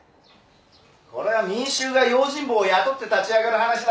これは民衆が用心棒を雇って立ち上がる話だろう？